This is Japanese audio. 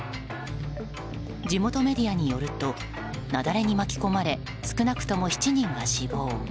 地元メディアによると雪崩に巻き込まれ少なくとも７人が死亡。